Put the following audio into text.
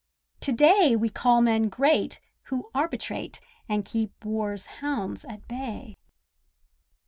To day We call men great who arbitrate And keep war's hounds at bay.